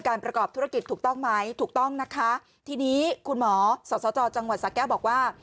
ประกอบธุรกิจถูกต้องไหมถูกต้องนะคะทีนี้คุณหมอสสจจังหวัดสาแก้วบอกว่า